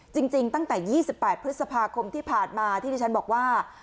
จริงตั้งแต่๒๘พฤษภาคมที่ผ่านมาที่ที่ฉันบอกว่า